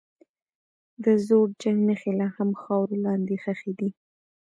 د زوړ جنګ نښې لا هم خاورو لاندې ښخي دي.